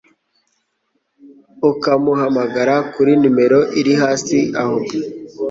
ukamuhamagara kuri numero iri hasi aho